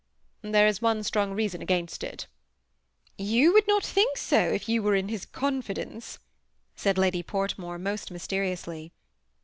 "There is one strong reason against it" "You would not think so if you were in his confidence," said Lady Portmore, most mysteriously.